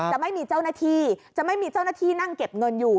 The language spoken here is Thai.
จะไม่มีเจ้าหน้าที่จะไม่มีเจ้าหน้าที่นั่งเก็บเงินอยู่